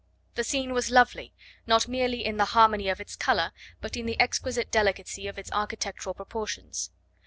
The scene was lovely, not merely in the harmony of its colour but in the exquisite delicacy of its architectural proportions.